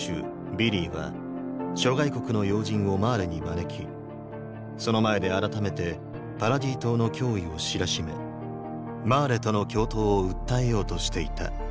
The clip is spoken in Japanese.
ヴィリーは諸外国の要人をマーレに招きその前で改めてパラディ島の脅威を知らしめマーレとの共闘を訴えようとしていた。